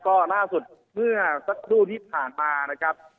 ก็ล่าสุดเมื่อสักครู่ที่ผ่านมานะครับ